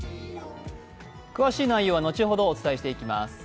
詳しい内容は後ほどお伝えしていきます。